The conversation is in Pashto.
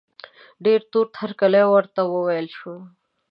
ډېر تود هرکلی ورته وویل شو.